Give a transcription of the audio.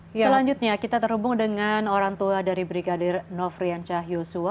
selanjutnya kita terhubung dengan orang tua dari brigadir nofrian cahyosua